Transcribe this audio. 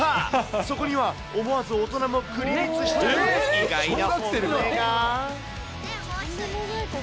そこには、思わず大人もクリビツしちゃう意外な本音が。